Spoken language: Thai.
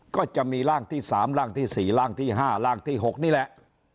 ก็จะมีร่างที่สามร่างที่สี่ร่างที่ห้าร่างที่หกนี่แหละ